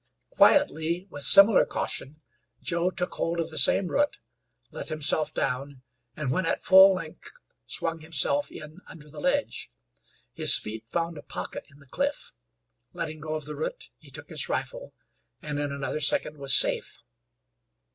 Quietly, with similar caution, Joe took hold of the same root, let himself down, and when at full length swung himself in under the ledge. His feet found a pocket in the cliff. Letting go of the root, he took his rifle, and in another second was safe.